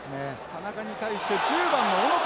田中に対して１０番の小野からの起点。